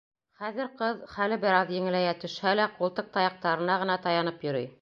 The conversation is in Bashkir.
Хәҙер ҡыҙ, хәле бер аҙ еңеләйә төшһә лә, ҡултыҡ таяҡтарына ғына таянып йөрөй.